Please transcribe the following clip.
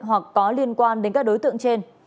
hoặc có liên quan đến các đối tượng trên